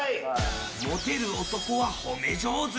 モテる男は褒め上手。